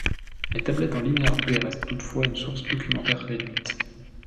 Les tablettes en linéaire B restent toutefois une source documentaire réduite.